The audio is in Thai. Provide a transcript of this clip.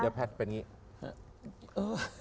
เดี๋ยวแพทย์เป็นอย่างนี้